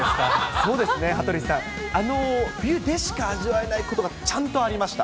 そうですね、羽鳥さん、冬でしか味わえないことが、ちゃんとありました。